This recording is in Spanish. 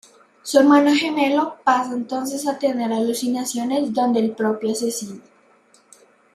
Su hermano gemelo pasa entonces a tener alucinaciones donde el propio asesino…